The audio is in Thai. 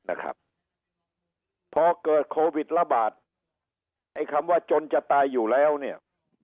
นะครับพอเกิดโควิดระบาดไอ้คำว่าจนจะตายอยู่แล้วเนี่ย